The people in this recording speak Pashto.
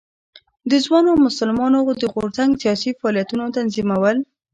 د ځوانو مسلمانانو د غورځنګ سیاسي فعالیتونه تنظیمول.